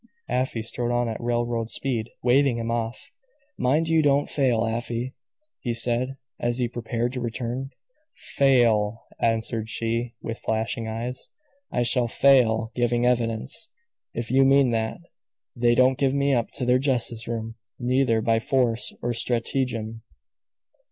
Afy strode on at railroad speed, waving him off. "Mind you don't fail, Afy," he said, as he prepared to return. "Fail," answered she, with flashing eyes. "I shall fail giving evidence, if you mean that. They don't get me up to their justice room, neither by force or stratagem."